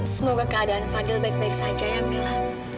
semoga keadaan fadil baik baik saja ya mila